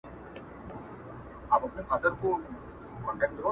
او كه ته تند مزاجه، سخت زړى وای